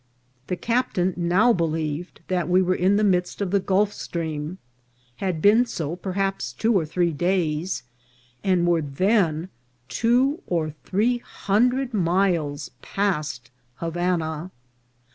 The captain now believed that we were in the midst of the Gulf Stream, had been so perhaps two or three days, and were then two or three hundred miles past Havana.